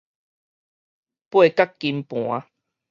八角金盤